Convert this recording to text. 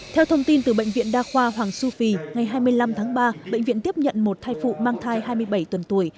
theo thông tin từ bệnh viện đa khoa hoàng su phi ngày hai mươi năm tháng ba bệnh viện tiếp nhận một thai phụ mang thai hai mươi bảy tuần tuổi